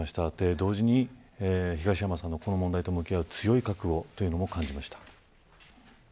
同時に東山さんの今後と向き合う強い覚悟というのも感じました。